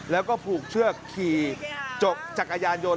แล้วก็ผูกเชือกขี่จกจักรยานยนต